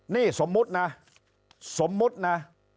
นี่สมมุตินะสมมุตินะ